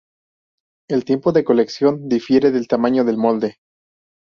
El tiempo de cocción difiere de tamaño del molde.